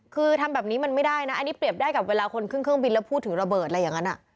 คือทำแบบนี้มันไม่ได้นะอันนี้เปรียบได้กับเวลาคนขึ้นเครื่องบินแล้วพูดถึงระเบิดอะไรอย่างนั้น